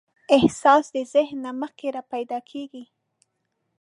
احساس د ذهن نه مخکې راپیدا کېږي.